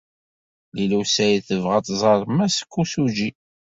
Lila u Saɛid tebɣa ad tẓer Mass Kosugi.